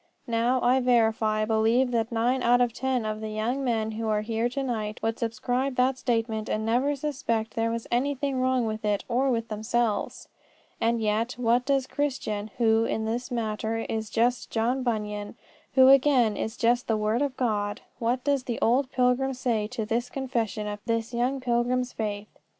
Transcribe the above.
Now, I verify believe that nine out of ten of the young men who are here to night would subscribe that statement and never suspect there was anything wrong with it or with themselves. And yet, what does Christian, who, in this matter, is just John Bunyan, who again is just the word of God what does the old pilgrim say to this confession of this young pilgrim's faith?